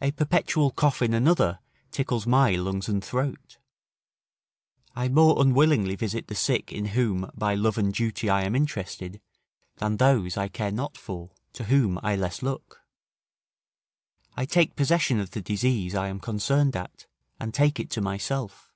A perpetual cough in another tickles my lungs and throat. I more unwillingly visit the sick in whom by love and duty I am interested, than those I care not for, to whom I less look. I take possession of the disease I am concerned at, and take it to myself.